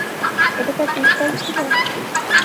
এটা তার পিস্তল ছিল!